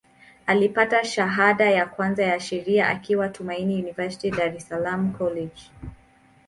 Alipata shahada ya kwanza ya Sheria akiwa Tumaini University, Dar es Salaam College.